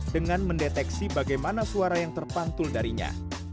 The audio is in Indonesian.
dengan mendeteksi bagaimana suara yang terpantul darinya